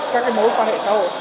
các mối quan hệ xã hội